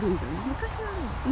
昔はね。